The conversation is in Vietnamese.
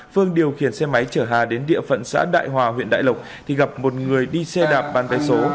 phương điều khiển xe máy chở hà đến địa phận xã đại hòa huyện đại lộc thì gặp một người đi xe đạp bán vé số